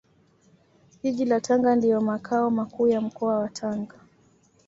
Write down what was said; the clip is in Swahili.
Jiji la Tanga ndio Makao Makuu ya Mkoa wa Tanga